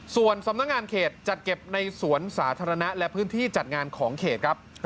ส่วนสำนักงานเขตจัดเก็บในสวนสาธารณะและพื้นที่จัดงานของเขตครับ